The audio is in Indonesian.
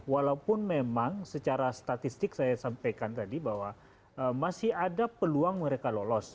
walaupun memang secara statistik saya sampaikan tadi bahwa masih ada peluang mereka lolos